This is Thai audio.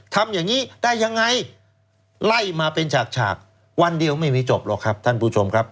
ทำอย่างนี้ได้ยังไงไล่มาเป็นฉากฉากวันเดียวไม่มีจบหรอกครับท่านผู้ชมครับ